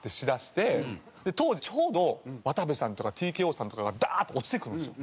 当時ちょうど渡部さんとかＴＫＯさんとかがダーッて落ちてくるんですよ。